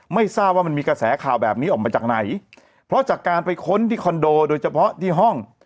ไม่ทราบว่ามันมีกระแสข่าวแบบนี้ออกมาจากไหนเพราะจากการไปค้นที่คอนโดโดยเฉพาะที่ห้อง